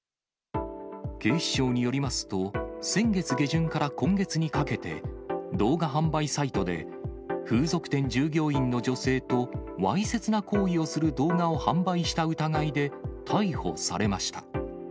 警視庁によりますと、先月下旬から今月にかけて、動画販売サイトで、風俗店従業員の女性とわいせつな行為をする動画を販売した疑いで、逮捕されました。